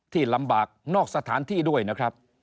ลำบากนอกสถานที่ด้วยนะครับ